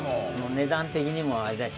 値段的にもあれだし。